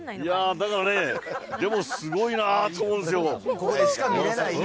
だからね、でもすごいなと思うんですよ。